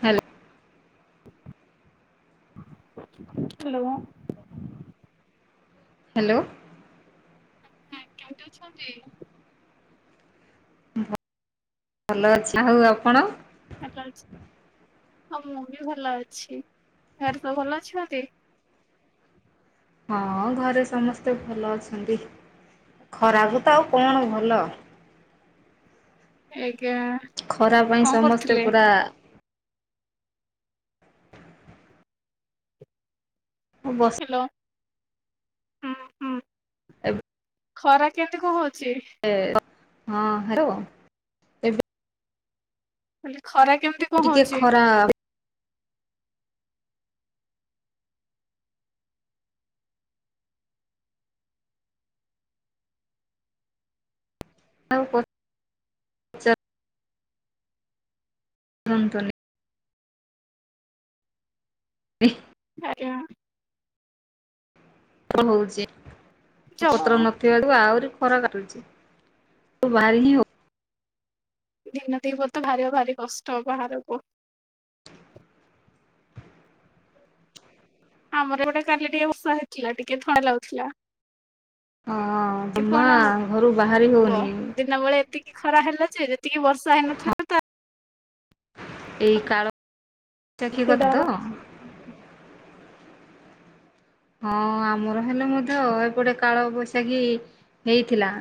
ହ୍ୟାଲ hello hello ଆଜ୍ଞା କେମିତି ଅଛନ୍ତି? ଭଲ ଅଛି ଆଉ ଆପଣ? ଭଲ ହଁ ମୁଁ ବି ଭଲ ଅଛି ଘରେ ତ ଭଲ ଅଛନ୍ତି? ହଁ ଘରେ ସମସ୍ତେ ଭଲ ଅଛନ୍ତି। ଖରାପ ତ ଆଉ କଣ ଭଲ। ଏକେଳା। ଖରା ପାଇଁ ସମସ୍ତେ ପୁରା ହବ। ତ ହୁଁ ହୁଁ। ଏବ ଖରା କେମିତି କଣ ହୋଉଚି? ଏ ଅ ହଁ ହାଲୋ। ଏବେ ମୁଁ କଇଲି ଖରା କେମତି ଟିକେ ଖରା ଆଉ ପତ। କୁହନ୍ତୁନି। ଏହ ଆଜ୍ଞା। କଣ ହୋଉଚି ଯଉ ପତ୍ର ନ ତିଆଡୁ ଆହୁରି ଖରା କଟୁଚି ଭାରି ହିଁ ହୋ ଦିନ ଦିପହରେ ଭାରିଵା ଭାରି କଷ୍ଟ ବାହାରୁକୁ। ଆମର ଏପଟେ କାଲି ଟିକେ ବର୍ଷା ହେଇଥିଲା। ଟିକେ ଥଣ୍ତା ଲାଗୁଥିଲା। ହଁ କି ତମା କଣ ଘରୁ ବାହାରି ହବ ହୋଉନି। ଦିନ ବୋଳେ ଏତିକି ଖରା ହେଲା ଯେ ଯେତିକି ବର୍ଷା ହଁ ହେଇନଥିଲା ତା ଏଇ କାଳ ତାଖି କଥା ସେଟା ତ? ହଁ ଆମର ହେନେ ମଧ୍ୟ ଏପଟେ କାଳ ବୈଶାଖୀ ହେଇଥିଲା।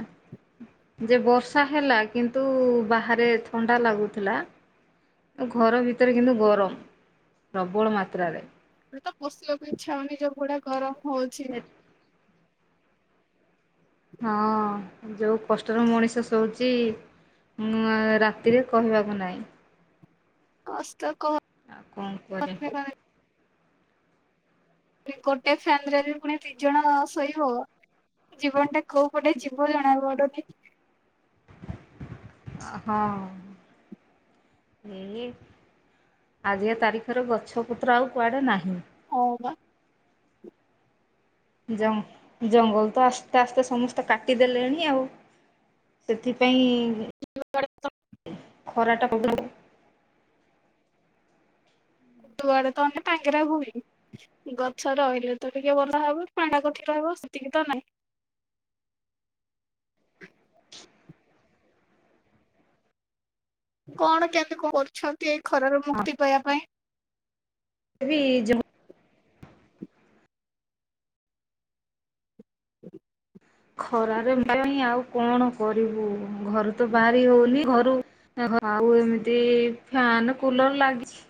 ଯେ ବର୍ଷା ହେଲା କିନ୍ତୁ ବାହାରେ ଥଣ୍ଡା ଲାଗୁଥିଲା। ଘର ଭିତରେ କିନ୍ତୁ ଗରମ ପ୍ରବଳ ମାତ୍ରାରେ। ଘରେ ତ ପଷିବାକୁ ଇଛା ହୋଉନି ଯୋଉ ଭଳିଆ ଗରମ ହୋଉଚି। ହଁ ଯୋଉ କଷ୍ଟରେ ମଣିଷ ଶୋଉଚି ମାଆ ରାତିରେ କହିବାକୁ ନାଇଁ। କଷ୍ଟ କ ଆଉ କଣ କରିବ। ପ୍ରି ଗୋଟେ ଫ୍ୟାନ ରେ ବି ପୁଣି ଦି ଜଣ ଶୋଇିବ? ଜୀବନ ଟା କୋଉ ପଟେ ଜୀବ ଜଣା ପଡୁନି। ଅ ହଁ। ଏଇ ଆଜିକା ତାରିଖରେ ଗଛ ପତ୍ର ଆଉ କୁଆଡ଼େ ନାହିଁ। ହଁ ବା। ଜଙ୍ଗ ଜଙ୍ଗଲ ତ ଆସ୍ତେ ଆସ୍ତେ ସମସ୍ତେ କାଟିଦେଲେଣି ଆଉ। ସେଥିପାଇଁ ଖରା ଟା ବଢ଼ୁଚି। ଦୁଆଡେ ତନେ ସବୁଆଡେ ଟାଙ୍ଗେରା ଭୁଇଁ। ଗଛ ରହିଲେ ତ ଟିକେ ଭଲ ହବ ପାଣ୍ଡା କଠି ରହିବ ସେତିକି ତ ନାହିଁ। କଣ କେମିତି କରୁଛନ୍ତି ଏଇ ଖରାରୁ ମୁକ୍ତି ପାଇବା ପାଇଁ? ରି ଜମୁ [unintelligible] ଖରାରେ ମାନି ଆଉ କଣ କରିବୁ ଘରୁ ତ ବାହାରି ହୋଉନି। ଘରୁ ଓହ ଆଉ ଏମିତି ଫ୍ୟାନ କୁଲର ଲାଗିଛି।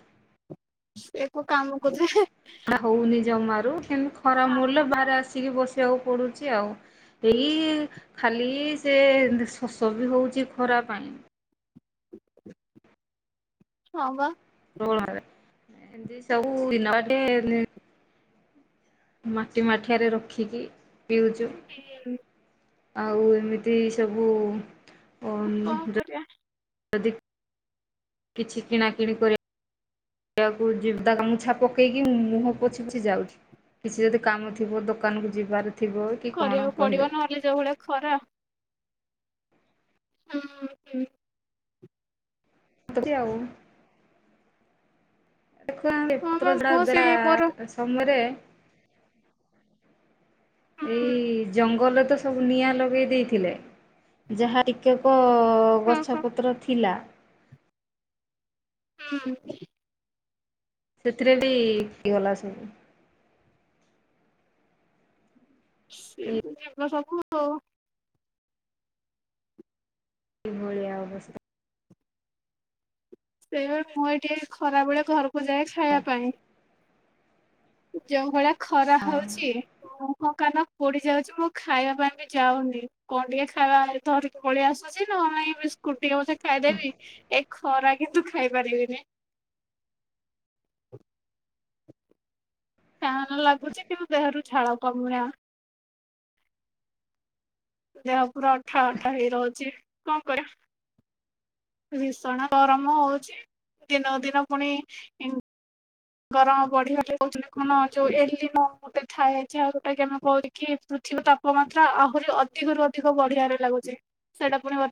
ସେ କୋଉ କାମ କୁ ଜେ। ଏଟା ହୋଉନି ଜମାରୁ। କେମିତି ଖରା ମୂଲ୍ୟ ବାହାରେ ଆସିକି ବସିବାକୁ ପଡୁଚି ଆଉ। ଏଇ ଖାଲି ସେ ସ-ସମି ବି କହୁଚି ଖରା ପାଇଁ। ହଁ ବା। [inaudible] ମାଟି ମାଠିଆରେ ରଖିକି ପିଉଚୁ। [inaudible] ଆଉ ଏମିତି ସବୁ କଣ କରିବା। [inaudible] କିଛି କିଣାକିଣି କରିବା କରିବାକୁ ଯିବା ଗାମୁଛା ପକେଇକି ମୁହଁ ପୋଛି ପୋଛି ଯାଉଚି। କିଛି ଯଦି କାମ ଥିବ ଦୋକାନକୁ ଯିବାର ଥିବ କି କଣ କରିବାକୁ କହିଲେ ପଡିବ ନହେଲେ ଯୋଉ ଭଳିଆ ଖରା। ଉଁ ହୁଁ। ହୁଁ [inaudible] [unintelligible] ଏଇ ହଁ ବା ଜଙ୍ଗଲ ମୁଁ ସେଇ ମୋର ହୁଁ ତ ସବୁ ନିଆଁ ଲଗେଇ ଦେଇଥିଲେ ଯାହା ଟିକେକ ହଁ ଗଛ ହଁ ପତ୍ର ଥିଲା ହୁଁ ସେଥିରେ ବି କିଏ ପୋଡି ଗଲା ସବୁ। ଯିବ ସବୁ ଆଉ। ଏଭଳିଆ ଅବସ୍ଥା ସେଇଆବା ମୁଁ ଏ ଟିକେ ଖରା ବଳେ ଘରକୁ ଯାଏ ଖାଇବା ପାଇଁ। ଜଉ ଭଳିଆ ଖରା ହଉଚି ମୁହଁ, କାନ ପୋଡି ଯାଉଚି ମୁଁ ଖାଇବା ପାଇଁ ବି ଯାଉନି କଣ ଟିକେ ଖାଇବା ଧରି ପଳେଇ ଆସୁଚି, ନହେଲେ ନାଇଁ ବିସ୍କୁଟ ଟିକେ ପଛେ ଖାଇଦେବି ଏ ଖରା କିନ୍ତୁ ଖାଇ ପାରିବିନି। ଫ୍ୟାନ୍ ଲାଗୁଚି କିନ୍ତୁ ଦେହରୁ ଝାଳ କମୁନି। ଦେହ ପୁରା ଅଠା ଅଠା ହେଇ ରହୁଛି କଣ କରିମ। ଭୀଷଣ ଗରମ ହଉଚି ଦିନ ଦିନ ପୁଣି ଇ ଗରମ ବଢିବ ବୋଲି କହୁଛନ୍ତି କଣ ଯୋଉ ଏଲିନୋ ଗୋଟେ ଥାଏ ଯାହା ଗୋଟା କି ଆମେ କରିକି ପୃଥିବୀ ତାପମାତ୍ରା ଆହୁରି ଅଧିକରୁ ଅଧିକ ବଢିଵା ରେ ଲାଗୁଚି। [unintelligible]